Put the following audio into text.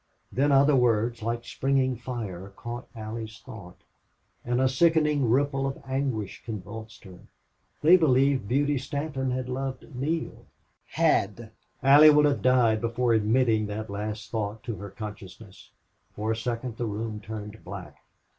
Then other words, like springing fire, caught Allie's thought, and a sickening ripple of anguish convulsed her. They believed Beauty Stanton had loved Neale had Allie would have died before admitting that last thought to her consciousness. For a second the room turned black.